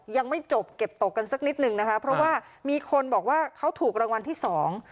ยังไม่จบเก็บตกกันสักนิดหนึ่งนะคะเพราะว่ามีคนบอกว่าเขาถูกรางวัลที่สอง